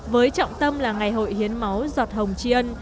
với trọng tâm là ngày hội hiến máu giọt hồng tri ân